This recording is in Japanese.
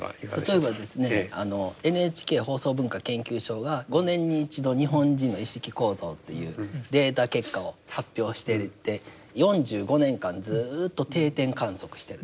例えばですねＮＨＫ放送文化研究所が５年に一度日本人の意識構造というデータ結果を発表してて４５年間ずっと定点観測しているんです。